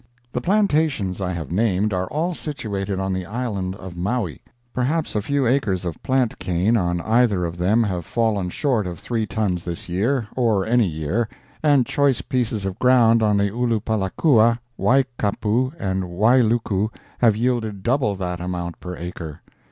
The plantations I have named are all situated on the island of Maui. Perhaps a few acres of plant cane on either of them have fallen short of three tons this year, or any year, and choice pieces of ground on the Ulupalakua, Waikapu and Wailuku have yielded double that amount per acre.